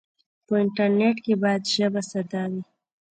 په انټرنیټ کې باید ژبه ساده وي.